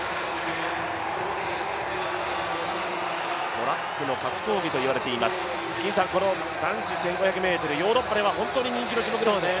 トラックの格闘技と言われています、この男子１５００ｍ、ヨーロッパでは本当に人気の種目ですね。